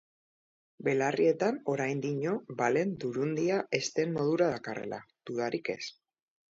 Belarrietan oraindino balen durundia ezten modura dakarrela, dudarik ez.